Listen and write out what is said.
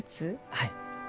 はい。